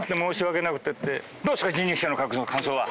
どうすか⁉人力車の感想は。